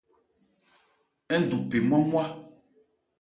Ńdu phe nmwa-nmwa.